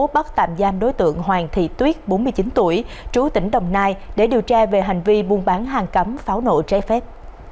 bắt tạm giam đối tượng hoàng thị tuyết bốn mươi chín tuổi trú tỉnh đồng nai để điều tra về hành vi buôn bán hàng cấm pháo nổ trái phép